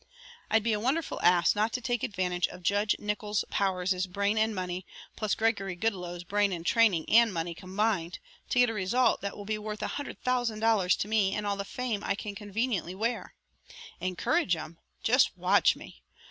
"I'd be a wonderful ass not to take advantage of Judge Nickols Powers' brain and money, plus Gregory Goodloe's brain and training and money combined, to get a result that will be worth a hundred thousand dollars to me and all the fame I can conveniently wear. Encourage 'em? Just watch me!